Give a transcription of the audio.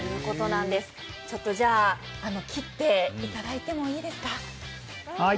じゃあ、切っていただいてもいいですか？